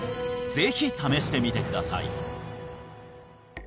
ぜひ試してみてください